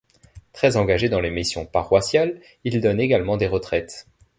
Très engagé dans les missions paroissiales il donne également des retraites.